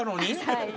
はい。